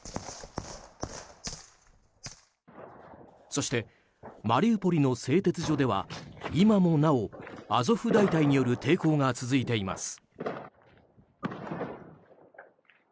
そしてマリウポリの製鉄所では今もなお、アゾフ大隊による抵抗が続いています。